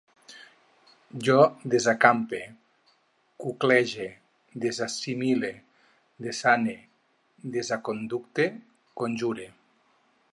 Jo desacampe, cuclege, desassimile, desane, desaconducte, conjure